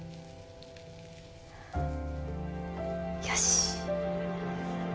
よし。